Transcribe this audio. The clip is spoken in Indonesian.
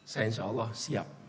saya insya allah siap